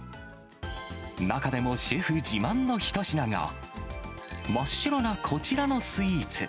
中でもシェフ自慢の一品が、真っ白なこちらのスイーツ。